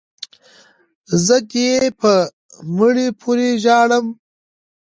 ـ زه دې په مړي پورې ژاړم،